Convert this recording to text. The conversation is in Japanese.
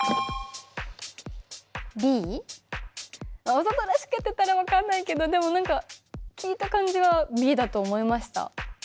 わざとらしくやってたら分かんないけどでも何か聞いた感じはＢだと思いました。